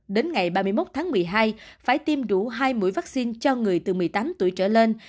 đến ngày ba mươi một tháng một mươi hai phải tiêm đủ hai mũi vaccine cho người từ một mươi tám tuổi trở lên